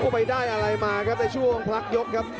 ไปได้อะไรมาครับในช่วงพลักยกครับ